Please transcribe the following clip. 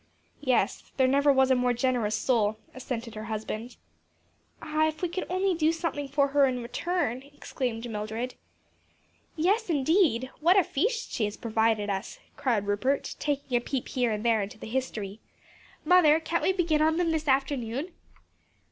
"Yes, there never was a more generous soul," assented her husband. "Ah, if we could only do something for her in return!" exclaimed Mildred. "Yes, indeed! what a feast she has provided us!" cried Rupert, taking a peep here and there into the history. "Mother, can't we begin on them this afternoon?"